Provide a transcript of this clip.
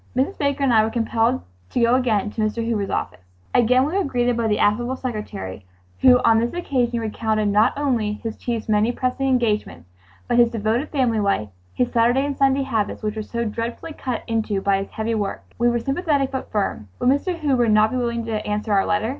Mrs. Baker and I were compelled to go again to Mr. Hoover's office. Again we were greeted by the affable secretary, who on this occasion recounted not only his chief's many pressing engagements, but his devoted family life—his Saturday and Sunday habits which were "so dreadfully cut into by his heavy work:" We were sympathetic but firm. Would Mr. Hoover not be willing to answer our letter?